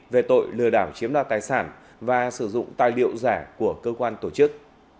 về tội lừa đảo chiếm đoạt tài sản và sử dụng tài liệu giả của cơ quan tổ chức